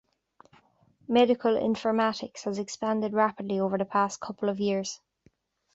Medical informatics has expanded rapidly over the past couple of years.